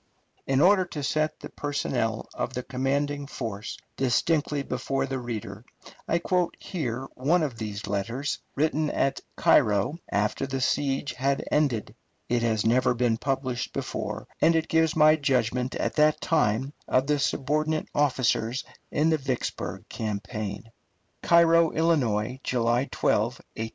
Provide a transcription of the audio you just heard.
In order to set the personnel of the commanding force distinctly before the reader, I quote here one of these letters, written at Cairo after the siege had ended. It has never been published before, and it gives my judgment at that time of the subordinate officers in the Vicksburg campaign: CAIRO, ILL., July 12, 1863.